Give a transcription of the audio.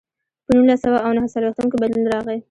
په نولس سوه او نهه څلوېښتم کې بدلون راغی.